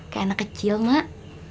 kayak anak kecil mak